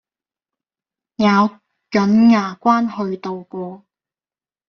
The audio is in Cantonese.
咬緊牙關去渡過